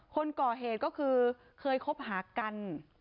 คนก่อเหตุก็คือเคยคบหากัน